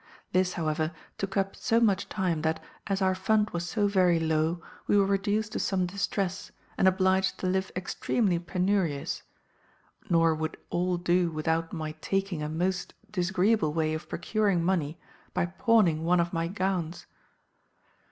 "This, however, took up so much time, that, as our fund was so very low, we were reduced to some distress, and obliged to live extremely penurious; nor would all do without my taking a most disagreeable way of procuring money by pawning one of my gowns.